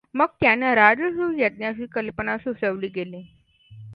मग त्यांना राजसूय यज्ञाची कल्पना सुचवली गेली.